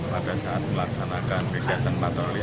pada saat melaksanakan kegiatan patroli